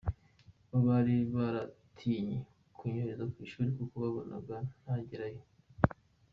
Bo bari baratinye kunyohereza ku ishuri kuko babonaga ntagerayo.